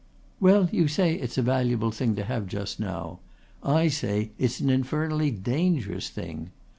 "Well, you say it's a valuable thing to have just now. I say it's an infernally dangerous thing.